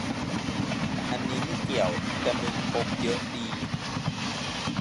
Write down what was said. อันนี้ไม่เกี่ยว แต่มึงพกเยอะดี